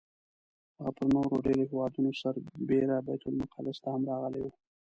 هغه پر نورو ډېرو هېوادونو سربېره بیت المقدس ته هم راغلی و.